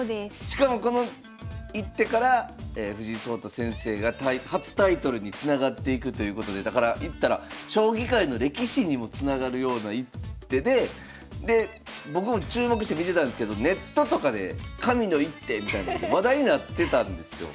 しかもこの一手から藤井聡太先生が初タイトルにつながっていくということでだから言ったら将棋界の歴史にもつながるような一手でで僕も注目して見てたんですけどネットとかで「神の一手」みたいに話題になってたんですよ。